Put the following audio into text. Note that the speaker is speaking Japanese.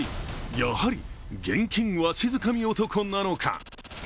やはり現金わしづかみ男なのか？